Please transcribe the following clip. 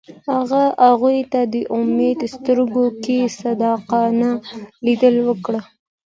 هغه هغې ته د امید سترګو کې صادقانه لید وکړ.